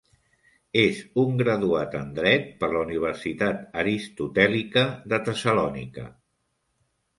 És un graduat en dret per la Universitat Aristotèlica de Tessalònica.